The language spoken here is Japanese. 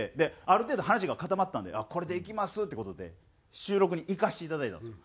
ある程度話が固まったんであっこれでいきますって事で収録に行かせていただいたんですよ。